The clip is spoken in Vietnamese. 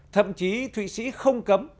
thậm chí thụy sĩ không cấm